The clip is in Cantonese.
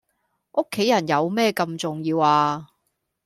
屋企人有咩咁重要呀?